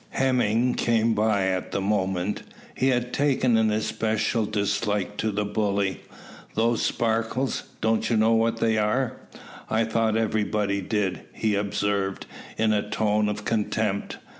Hemming came by at the moment. He had taken an especial dislike to the bully. "Those sparkles! don't you know what they are? I thought everybody did," he observed, in a tone of contempt.